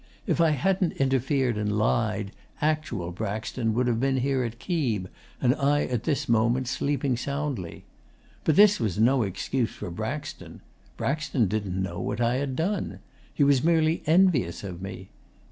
If I hadn't interfered and lied, actual Braxton would have been here at Keeb, and I at this moment sleeping soundly. But this was no excuse for Braxton. Braxton didn't know what I had done. He was merely envious of me.